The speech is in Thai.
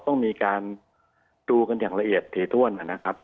ต้องมีการดูกันอย่างละเอียดถีถ้วนนะครับ